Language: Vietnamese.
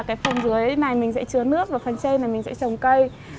cái phần dưới này mình sẽ chứa nước và phần trên thì mình sẽ trồng cây